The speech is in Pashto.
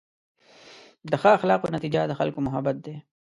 د ښه اخلاقو نتیجه د خلکو محبت دی.